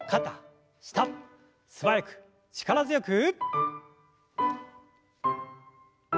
素早く力強く。